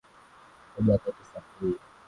Kuja kwetu sa hii